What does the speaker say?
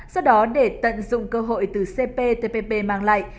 sau đó để tận dụng cơ hội từ cptpp mang lại